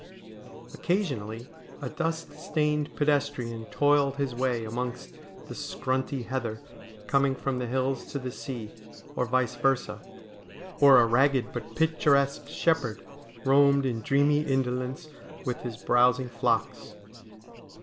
Occasionally a dust stained pedestrian toiled his way amongst the scrunty heather coming from the hills to the sea, or vice versa ; or a ragged but picturesque shepherd roamed in dreamy indolence with his browsing flocks.